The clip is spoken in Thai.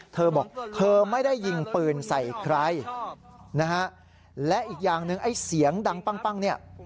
เธอบอกเธอไม่ได้ยิงปืนใส่ใครนะฮะและอีกอย่างหนึ่งไอ้เสียงดังปั้งเนี่ย